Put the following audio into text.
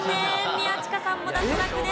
宮近さんも脱落です。